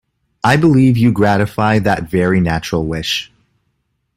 I believe you gratify that very natural wish.